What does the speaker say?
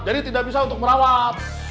jadi tidak bisa untuk merawat